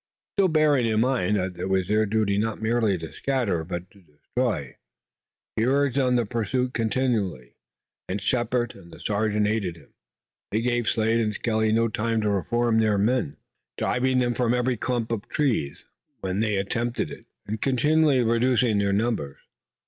Still bearing in mind that it was their duty not merely to scatter but to destroy, he urged on the pursuit continually, and Shepard and the sergeant aided him. They gave Slade and Skelly no time to reform their men, driving them from every clump of trees, when they attempted it, and continually reducing their numbers.